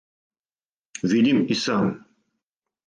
Видим и сам.